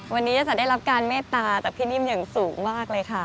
วันนี้จะได้รับการเมตตาจากพี่นิ่มอย่างสูงมากเลยค่ะ